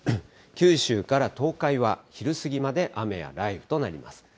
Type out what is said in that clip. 九州から東海は昼過ぎまで雨や雷雨となります。